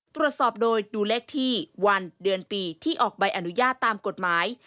ตรวจสอบโดยดูเลขที่วันเดือนปีที่ออกใบอนุญาตตามกฎหมาย